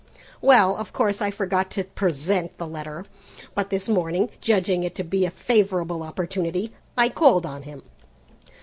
Well, of course I forgot to present the letter, but this morning, judging it to be a favourable opportunity, I called on him.